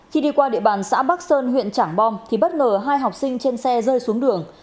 khi đi qua địa bàn xã bắc sơn huyện trảng bom thì bất ngờ hai học sinh trên xe rơi xuống đường